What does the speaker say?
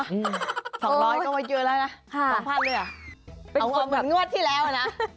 ๒๐๐ก็เยอะแล้วนะ๒๐๐๐เลยเหรอเป็นคนเหมือนงวดที่แล้วนะ